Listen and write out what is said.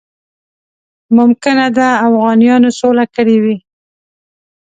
ممکنه ده اوغانیانو سوله کړې وي.